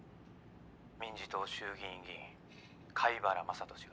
民自党衆議院議員貝原雅人氏が。